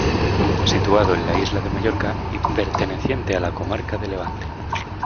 Situado en la isla de Mallorca y perteneciente a la comarca de Levante.